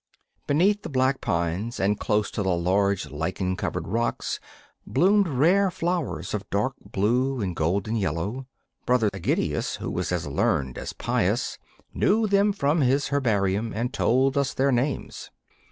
Beneath the black pines and close to the large lichen covered rocks bloomed rare flowers of dark blue and golden yellow. Brother Ægidius, who was as learned as pious, knew them from his herbarium and told us their names.